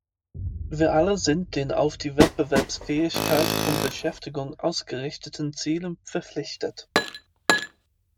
Wir alle sind den auf die Wettbewerbsfähigkeit und Beschäftigung ausgerichteten Zielen verpflichtet.